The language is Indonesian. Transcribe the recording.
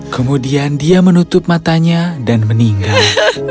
kemudian dia menutup matanya dan meninggal